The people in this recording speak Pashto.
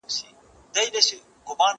د راتلونکي نسل لپاره فکر وکړئ.